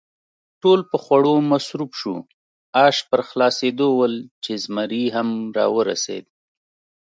ټول په خوړو مصروف شوو، آش پر خلاصېدو ول چې زمري هم را ورسېد.